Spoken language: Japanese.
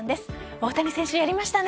大谷選手、やりましたね。